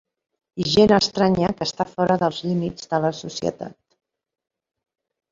I gent estranya que està fora dels límits de la societat